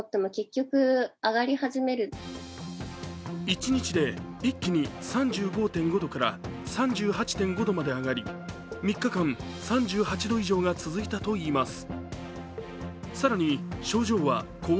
一日で一気に３５．５度から３８．５度まで上がり３日間、３８度以上が続いたといいます。